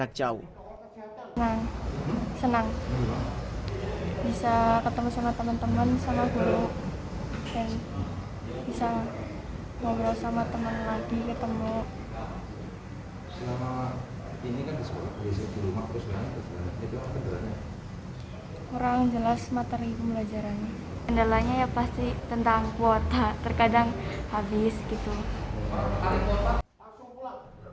kendalanya ya pasti tentang kuota terkadang habis gitu